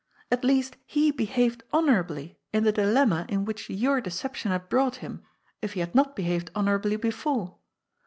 At least he behaved honourably in the dilemma, into which your deception had brought him, if he had not behaved honour ably before.